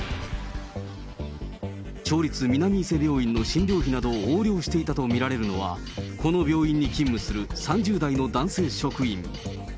町立南伊勢病院の診療費などを横領していたと見られるのは、この病院に勤務する３０代の男性職員。